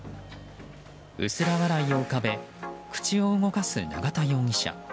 薄ら笑いを浮かべ口を動かす永田容疑者。